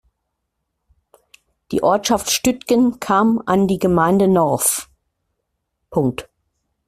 Die Ortschaft Stüttgen kam an die Gemeinde Norf.